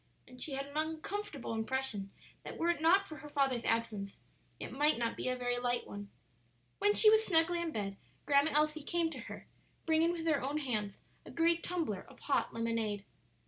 And she had an uncomfortable impression that were it not for her father's absence it might not be a very light one. When she was snugly in bed, Grandma Elsie came to her, bringing with her own hands a great tumbler of hot lemonade.